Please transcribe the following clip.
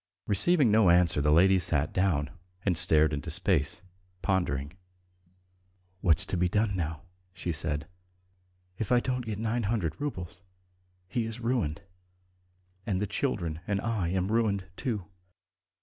Receiving no answer, the lady sat down and stared into space, pondering. "What's to be done now?" she said. "If I don't get nine hundred roubles, he is ruined, and the children and I am ruined, too.